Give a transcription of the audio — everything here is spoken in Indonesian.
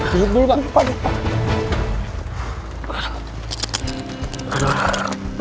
duduk dulu pak